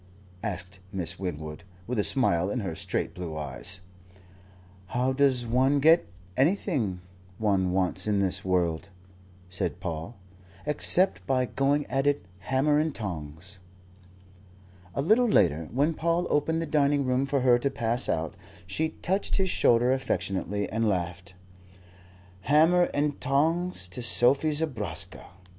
asked Miss Winwood, with a smile in her straight blue eyes. "How does one get anything one wants in this world," said Paul, "except by going at it, hammer and tongs?" A little later, when Paul opened the dining room for her to pass out, she touched his shoulder affectionately and laughed. "Hammer and tongs to Sophie Zobraska!